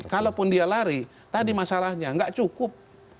kalaupun dia lari tadi masalahnya nggak cukup